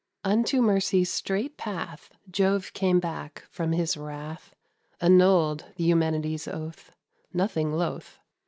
Unto Mercy's straight path Jove came back from his wrath, Annulled the Eumenide's oath; Nothing loath.